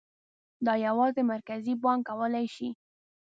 دا یوازې مرکزي بانک کولای شي.